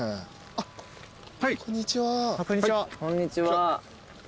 あっこんにちは。